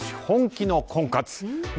本気の婚活。